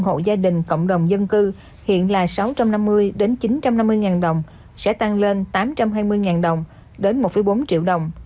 hộ gia đình cộng đồng dân cư hiện là sáu trăm năm mươi chín trăm năm mươi đồng sẽ tăng lên tám trăm hai mươi đồng đến một bốn triệu đồng